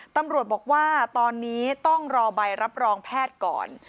ตำรวจบอกว่าตอนนี้ต้องรอใบรับรองแพทย์ก่อน